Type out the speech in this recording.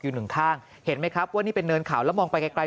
อยู่หนึ่งข้างเห็นไหมครับว่านี่เป็นเนินเขาแล้วมองไปไกล